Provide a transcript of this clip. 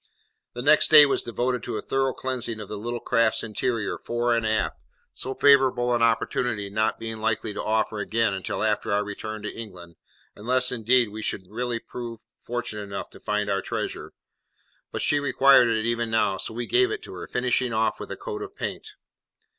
The next day was devoted to a thorough cleansing of the little, craft's interior, fore and aft, so favourable an opportunity not being likely to offer again until after our return to England, unless, indeed, we really should prove fortunate enough to find our treasure; but she required it even now, so we gave it her, finishing off with a coat of paint.